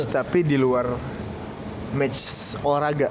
tapi di luar match olahraga